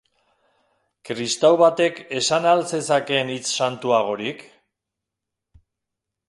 Kristau batek esan al zezakeen hitz santuagorik?